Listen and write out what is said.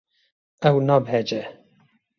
Ew nabehece.